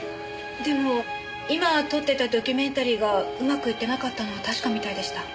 でも今撮ってたドキュメンタリーがうまくいってなかったのは確かみたいでした。